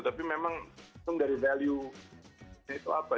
tapi memang dari value nya itu apa